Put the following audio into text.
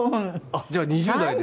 じゃあ２０代で。